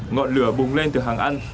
ngọn lửa bùng lên từ hàng ăn